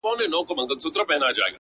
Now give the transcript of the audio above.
خدايه دا ټـپه مي په وجود كـي ده،